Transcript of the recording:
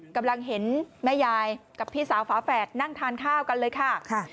กำลังเห็นแม่ยายกับพี่สาวฝาแฝดนั่งทานข้าวกันเลยค่ะ